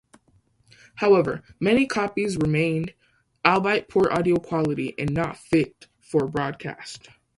However, many copies remained, albeit poor audio quality and not fit for broadcast.